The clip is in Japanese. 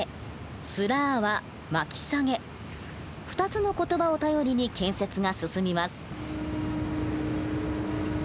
２つの言葉を頼りに建設が進みます。